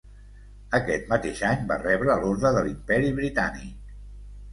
Aquest mateix any va rebre l’orde de l’Imperi Britànic.